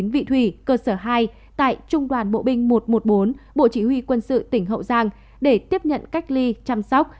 vị thủy cơ sở hai tại trung đoàn bộ binh một trăm một mươi bốn bộ chỉ huy quân sự tỉnh hậu giang để tiếp nhận cách ly chăm sóc